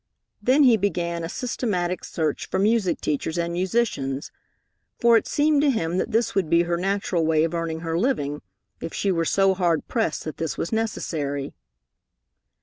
Then he began a systematic search for music teachers and musicians, for it seemed to him that this would be her natural way of earning her living, if she were so hard pressed that this was necessary.